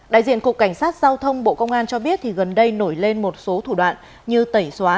đại diện cục cảnh sát giao thông bộ công an cho biết gần đây nổi lên một số thủ đoạn như tẩy xóa